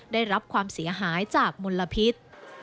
ได้รับความเสียหายจากมลพิษ